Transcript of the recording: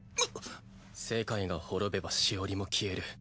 世界が滅べばシオリも消える。